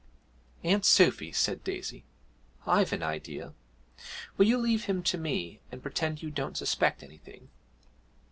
'Aunt Sophy,' said Daisy, 'I've an idea. Will you leave him to me, and pretend you don't suspect anything?